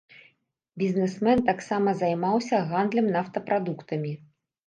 Бізнесмен таксама займаўся гандлем нафтапрадуктамі.